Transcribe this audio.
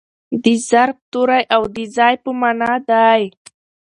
د ظرف توری او د ځای په مانا دئ.